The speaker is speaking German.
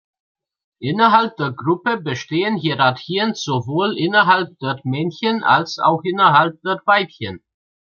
Innerhalb der Gruppe bestehen Hierarchien sowohl innerhalb der Männchen als auch innerhalb der Weibchen.